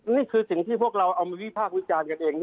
นี่คือสิ่งที่พวกเราเอามาวิพากษ์วิจารณ์กันเอง